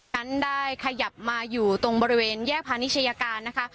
นั้นได้ขยับมาอยู่ตรงบริเวณแยกพาณิชยาการนะคะ